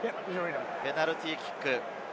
ペナルティーキック。